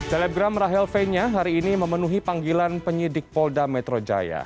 telegram rahel fenya hari ini memenuhi panggilan penyidik polda metro jaya